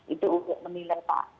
itu untuk memilih pak